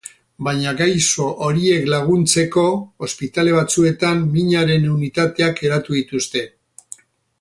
Baina gaixo horiei laguntzeko ospitale batzuetan minaren unitateak eratu dituzte.